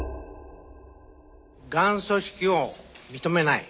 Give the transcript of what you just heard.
ガン組織を認めない。